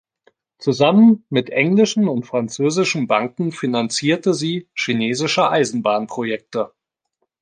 Zusammen mit englischen und französischen Banken finanzierte sie chinesische Eisenbahn-Projekte.